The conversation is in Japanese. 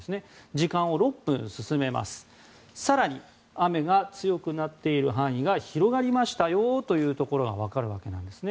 時間を６分進めますと更に雨が強くなっている範囲が広がりましたよと分かるわけなんですね。